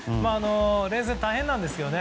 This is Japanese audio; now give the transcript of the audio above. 連戦は大変なんですよね。